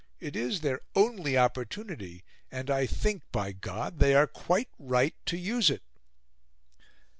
It is their only opportunity, and I think, by God! they are quite right to use it."